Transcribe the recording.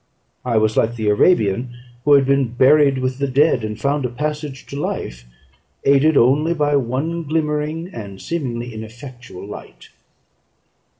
I was like the Arabian who had been buried with the dead, and found a passage to life, aided only by one glimmering, and seemingly ineffectual, light.